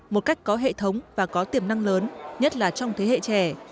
một cách có hệ thống và có tiềm năng lớn nhất là trong thế hệ trẻ